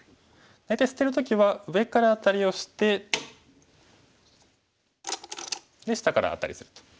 大体捨てる時は上からアタリをしてで下からアタリすると。